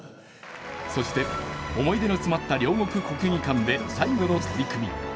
そして思い出の詰まった両国国技館で最後の取り組み。